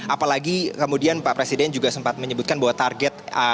apalagi kemudian pak presiden juga sempat menyebutkan bahwa target